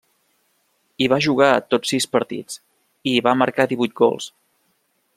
Hi va jugar tots sis partits, i hi va marcar divuit gols.